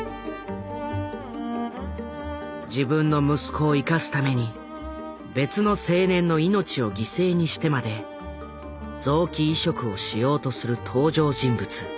自分の息子を生かすために別の青年の命を犠牲にしてまで臓器移植をしようとする登場人物。